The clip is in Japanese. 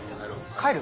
帰る？